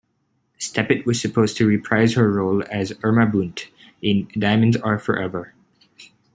Steppat was supposed to reprise her role as Irma Bunt in "Diamonds Are Forever".